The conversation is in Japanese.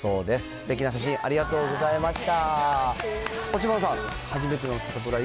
すてきな写真、ありがとうございました。